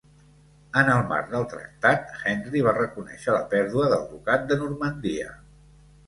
En el marc del Tractat, Henry va reconèixer la pèrdua del ducat de Normandia.